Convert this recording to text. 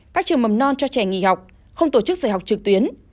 các trường mầm non cho trẻ nghỉ học không tổ chức dạy học trực tuyến